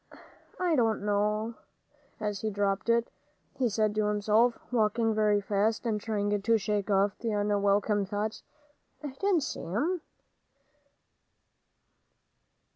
"I don't know as he dropped it," he said to himself, walking very fast, and trying to shake off the unwelcome thoughts; "I didn't see him."